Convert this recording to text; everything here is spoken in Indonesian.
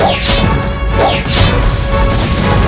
aku akan menang